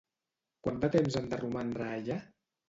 Quant de temps han de romandre allà?